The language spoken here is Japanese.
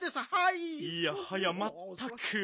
いやはやまったく。